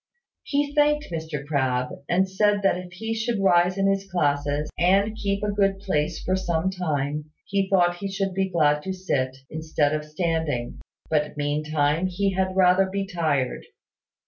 He thanked Mr Crabbe, and said that if he should rise in his classes, and keep a good place for some time, he thought he should be glad to sit, instead of standing; but meantime he had rather be tired.